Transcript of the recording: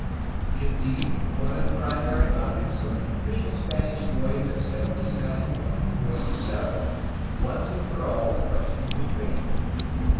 Indeed, one of the primary objects of an official Spanish voyage of 1791 was to settle, once for all, the question of the strait.